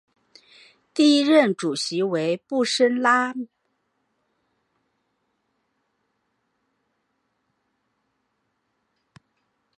第一任主席为布拉什曼。